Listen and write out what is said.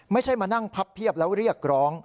ไม่ใช่มานั่งพับเพียบแล้วเรียกร้อง